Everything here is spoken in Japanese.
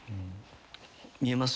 見えます？